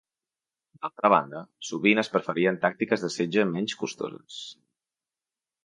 D'altra banda, sovint es preferien tàctiques de setge menys costoses.